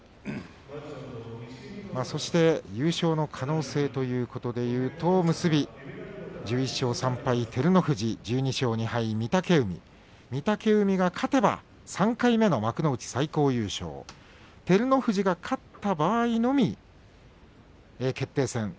そして優勝の可能性ということでいうと、結び１１勝３敗で照ノ富士１２勝の御嶽海御嶽海が勝てば３回目の幕内最高優勝照ノ富士が勝った場合のみ決定戦。